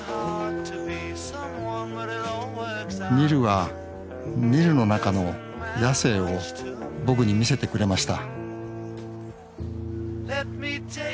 ニルはニルの中の野性を僕に見せてくれました